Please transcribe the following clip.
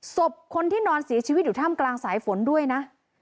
ศพคนที่นอนเสียชีวิตอยู่ท่ามกลางสายฝนด้วยนะ